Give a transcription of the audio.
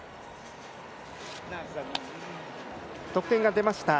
得点が出ました。